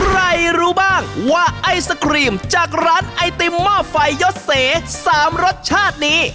รู้บ้างว่าไอศครีมจากร้านไอติมหม้อไฟยดเส๓รสชาตินี้